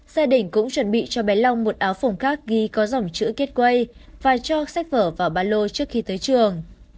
xe đỉnh cũng chuẩn bị cho bé long một áo phồng khác ghi có dòng chữ gateway và cho sách vở vào ba lô trước khi tới trường